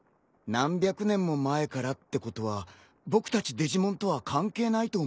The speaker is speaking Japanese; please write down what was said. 何百年も前からってことは僕たちデジモンとは関係ないと思うんだ。